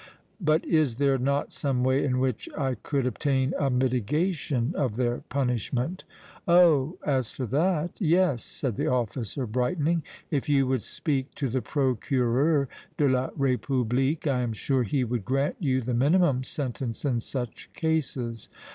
"But is there not some way in which I could obtain a mitigation of their punishment?" "Oh! as for that, yes," said the officer, brightening. "If you would speak to the Procureur de la République, I am sure he would grant you the minimum sentence in such cases.